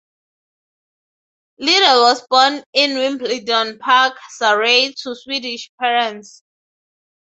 Lidell was born in Wimbledon Park, Surrey, to Swedish parents.